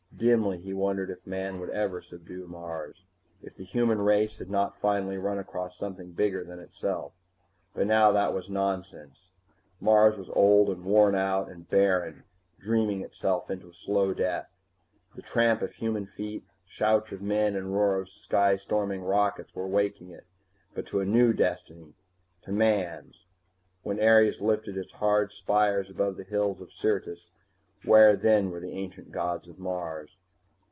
Dimly, he wondered if man would ever subdue Mars, if the human race had not finally run across something bigger than itself. But that was nonsense. Mars was old and worn out and barren, dreaming itself into slow death. The tramp of human feet, shouts of men and roar of sky storming rockets, were waking it, but to a new destiny, to man's. When Ares lifted its hard spires above the hills of Syrtis, where then were the ancient gods of Mars?